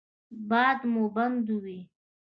باد مه بندوئ.